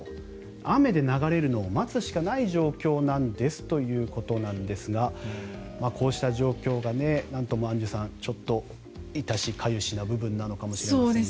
雨で流れるのを待つしかない状況なんですということですがこうした状況がなんともアンジュさんちょっと痛しかゆしなところなのかもしれませんが。